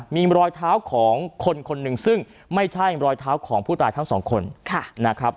มีรอยเท้าของคนคนหนึ่งซึ่งไม่ใช่รอยเท้าของผู้ตายทั้งสองคนนะครับ